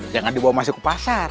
jangan dibawa masuk ke pasar